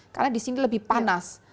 karena di sini lebih panas